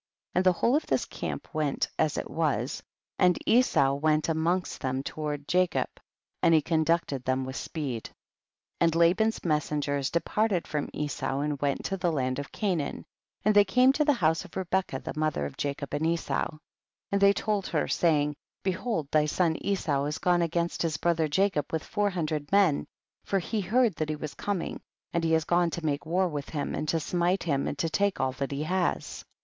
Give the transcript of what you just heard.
68 And the whole of this camp went as it was, and Esau went amongst them toward Jacob, and he conducted them with speed. 69. And Laban's messengers de parted from Esau and went to the land of Canaan, and they came to the house of Rebecca the mother of Ja cob and Esau. 70. And they told her, saying, be hold thy son Esau has gone against his brother Jacob with four hundred men, for he heard that he was com ing, and he is gone to make war with him, and to smite him and to take all that he has.